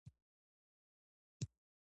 ټولنیزې شبکې د ژبې د ودې لپاره مهمي دي